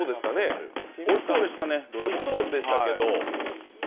おいしそうでしたね、どれも。